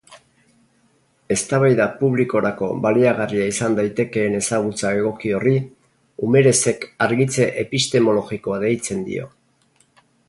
Eztabaida publikorako baliagarria izan daitekeen ezagutza egoki horri Umerezek argitze epistemologikoa deitzen dio.